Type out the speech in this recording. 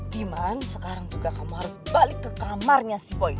dimana sekarang juga kamu harus balik ke kamarnya si boi